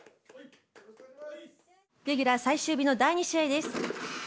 レギュラー最終日の第２試合です。